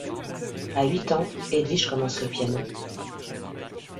À huit ans, Edwige commence le piano.